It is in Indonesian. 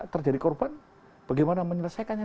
terjadi korban bagaimana menyelesaikannya